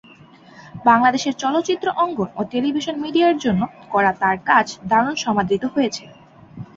বাংলাদেশের চলচ্চিত্র অঙ্গন ও টেলিভিশন মিডিয়ার জন্য করা তাঁর কাজ দারুণ সমাদৃত হয়েছে।